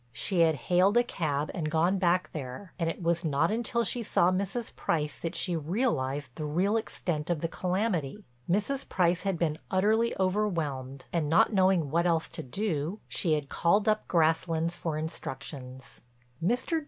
She had hailed a cab and gone back there and it was not till she saw Mrs. Price that she realized the real extent of the calamity. Mrs. Price had been utterly overwhelmed, and, not knowing what else to do, she had called up Grasslands for instructions. Mr.